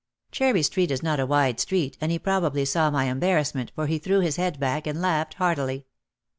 Cherry Street is not a wide street and he probably saw my embarrassment for he threw his head back and laughed heartily.